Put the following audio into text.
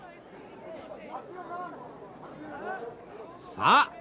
さあ